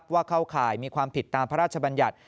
เข้าข่ายมีความผิดตามพระราชบัญญัติ